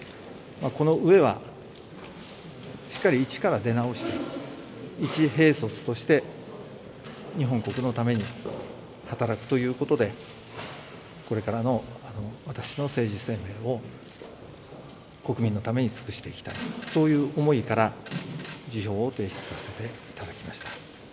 この上は、しっかり一から出直して一兵卒として日本国のために働くということでこれからの私の政治生命を国民のために尽くしていきたいそういう思いから辞表を提出させていただきました。